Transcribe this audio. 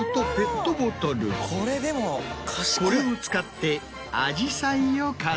これを使って。